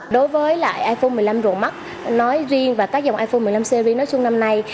đối với iphone một mươi năm ruộng mắt nói riêng và các dòng iphone một mươi năm series nói chung năm nay